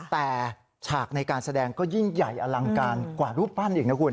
แต่ฉากในการแสดงก็ยิ่งใหญ่อลังการกว่ารูปปั้นอีกนะคุณ